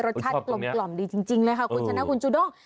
รสชาติกลมดีจริงเลยค่ะคุณชนะคุณจูด้ง